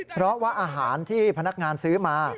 เพราะว่าอาหารที่พนักงานซื้อมา